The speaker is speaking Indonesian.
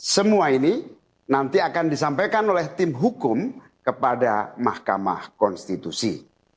semua ini nanti akan disampaikan oleh tim hukum kepada mahkamah konstitusi